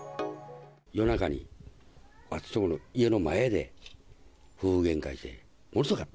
夜中に、私んとこの家の前で、夫婦げんかして、ものすごかった。